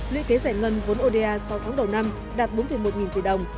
luyện kế giải ngân vốn oda sau tháng đầu năm đạt bốn một nghìn tỷ đồng